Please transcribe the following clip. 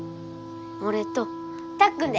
俺とたっくんで。